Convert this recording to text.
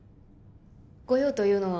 ご用というのは？